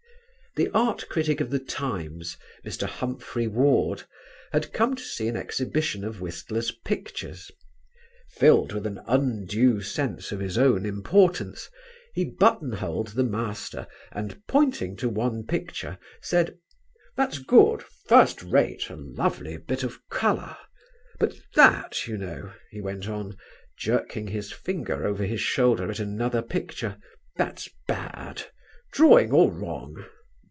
The art critic of The Times, Mr. Humphry Ward, had come to see an exhibition of Whistler's pictures. Filled with an undue sense of his own importance, he buttonholed the master and pointing to one picture said: "That's good, first rate, a lovely bit of colour; but that, you know," he went on, jerking his finger over his shoulder at another picture, "that's bad, drawing all wrong